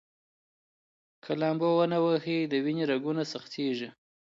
که لامبو ونه ووهئ، د وینې رګونه سختېږي.